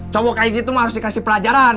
cowok kayak gitu mah harus dikasih pelajaran